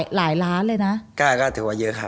หลายล้านเลยนะ